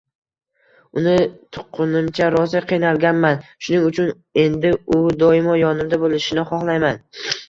Uni tuqqunimcha rosa qiynalganman, shuning uchun endi u doimo yonimda bo‘lishini xohlayman”.